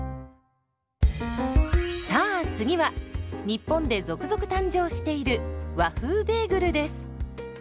さあ次は日本で続々誕生している「和風ベーグル」です。